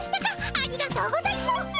ありがとうございます！